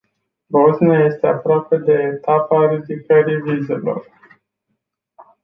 Bosnia este aproape de etapa ridicării vizelor.